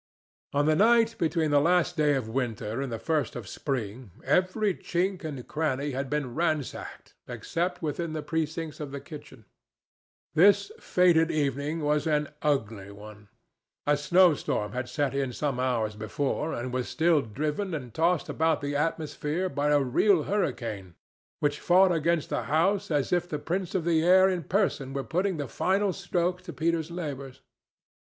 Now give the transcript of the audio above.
On the night between the last day of winter and the first of spring every chink and cranny had been ransacked except within the precincts of the kitchen. This fated evening was an ugly one. A snow storm had set in some hours before, and was still driven and tossed about the atmosphere by a real hurricane which fought against the house as if the prince of the air in person were putting the final stroke to Peter's labors.